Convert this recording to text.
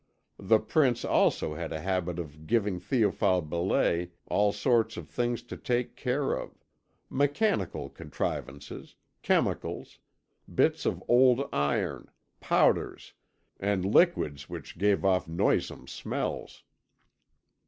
The prince also had a habit of giving Théophile Belais all sorts of things to take care of mechanical contrivances, chemicals, bits of old iron, powders, and liquids which gave off noisome smells.